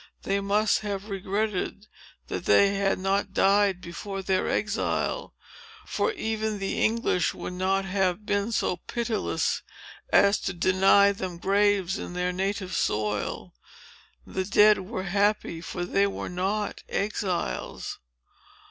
They must have regretted that they had not died before their exile; for even the English would not have been so pitiless as to deny them graves in their native soil. The dead were happy; for they were not exiles!